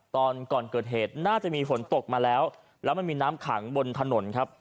ตอนก่อนเกิดเหตุน่าจะมีฝนตกมาแล้วแล้วมันมีน้ำขังบนถนนครับ